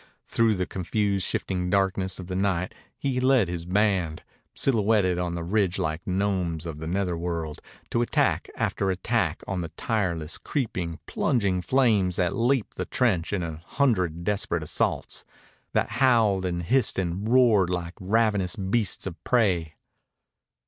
Through the confused, shifting darkness of the night he led his band, silhouetted on the ridge like gnomes of the nether world, to attack after attack on the tireless, creeping, plunging flames that leaped the trench in a hundred desperate assaults, that howled and hissed and roared like ravenous beasts of prey.